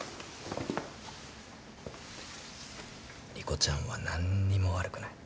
莉子ちゃんは何にも悪くない。